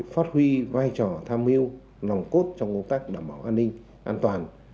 phát huy vai trò tham mưu nòng cốt trong công tác đảm bảo an ninh an toàn